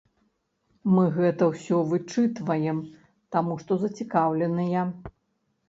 Мы гэта ўсё вычытваем, таму што зацікаўленыя.